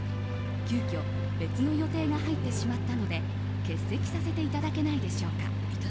急きょ別の予定が入ってしまったので欠席させていただけないでしょうか。